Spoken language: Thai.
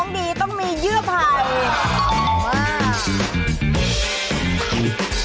ดีต้องมีเยื่อไผ่